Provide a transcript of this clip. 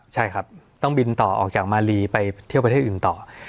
ใช่ครับต้องบินต่อออกจากมาลีไปเที่ยวประเทศอื่นต่อ